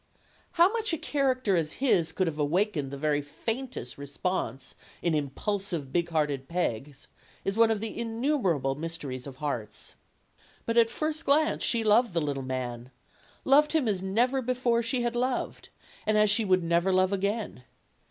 How such a character as his could have awakened the very faintest response in impulsive, big hearted Peg's is one of the innumerable mysteries of hearts. But at first glance she loved the little man; loved him as never before she had loved, and as she would never love again.